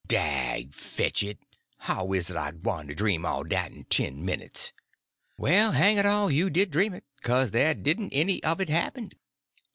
"Dad fetch it, how is I gwyne to dream all dat in ten minutes?" "Well, hang it all, you did dream it, because there didn't any of it happen."